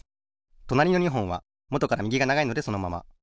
となりの２ほんはもとからみぎがながいのでそのまま。